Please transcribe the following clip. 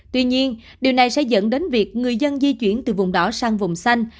tuy nhiên điều này sẽ dẫn đến việc người dân di chuyển từ vùng đỏ sang vùng xanh